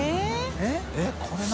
えっこれ何？